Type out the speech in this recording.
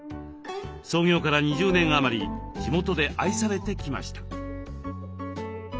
創業から２０年余り地元で愛されてきました。